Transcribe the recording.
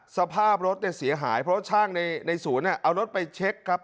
สภาพรถเสียหายเพราะว่าช่างในศูนย์เอารถไปเช็คครับ